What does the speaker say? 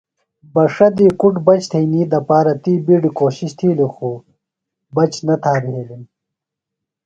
بݜہ دی کُڈیۡ بچ تھئینی دپارہ تی بِیڈیۡ کوشِش تِھیلیۡ خُو بچ نہ تھا بھیلِم۔